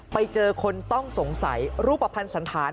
ไปเจอคนต้องสงสัยรูปประพันธ์สันฐาน